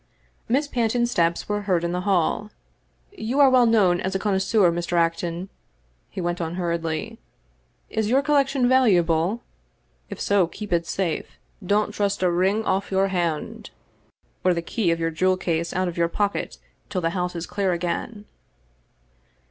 Miss Panton's steps were heard in the hall. " You are well known as a connoisseur, Mr. Acton," he went on hur riedly. "Is your collection valuable? If so, keep it safe; don't trust a ring off your hand, or the key of your jewel case out of your pocket till the house is clear again."